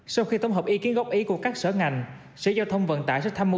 sau khi tổng hợp ý kiến góp ý của các sở ngành sở giao thông vận tải sẽ tham mưu